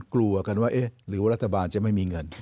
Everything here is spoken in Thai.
กลัวกันว่าเอ๊ะหรือว่ารัฐบาลจะไม่มีเงิน